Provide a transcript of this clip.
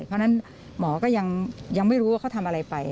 เพราะฉะนั้นหมอก็ยังไม่รู้ว่าเขาทำอะไรไป